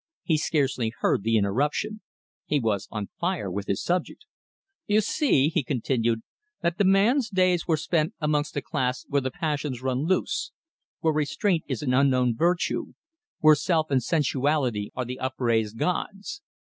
He scarcely heard the interruption. He was on fire with his subject. "You see," he continued, "that the man's days were spent amongst a class where the passions run loose, where restraint is an unknown virtue, where self and sensuality are the upraised gods.